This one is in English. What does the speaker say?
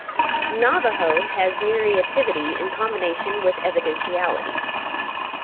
Navajo has mirativity in combination with evidentiality.